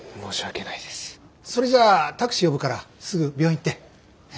それじゃあタクシー呼ぶからすぐ病院行って。